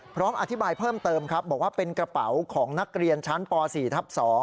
พร้อมอธิบายเพิ่มเติมครับบอกว่าเป็นกระเป๋าของนักเรียนชั้นป๔ทับ๒